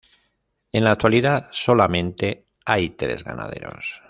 En la actualidad, solamente hay tres ganaderos.